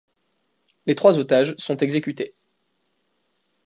Les trois otages sont exécutés.